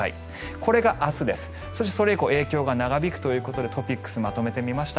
これが明日です、それ以降影響が長引くということでトピックスまとめてみました。